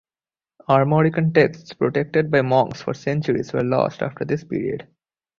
Armorican texts protected by monks for centuries were lost after this period.